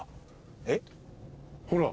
えっ？ほら。